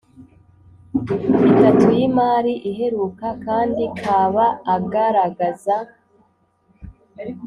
itatu y imari iheruka kandi kaba agaragaza